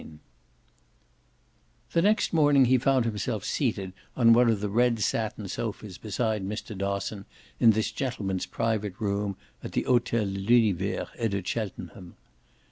VI The next morning he found himself seated on one of the red satin sofas beside Mr. Dosson in this gentleman's private room at the Hotel de l'Univers et de Cheltenham.